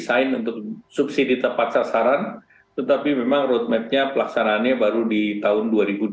desain untuk subsidi tepat sasaran tetapi memang roadmapnya pelaksanaannya baru di tahun dua ribu dua puluh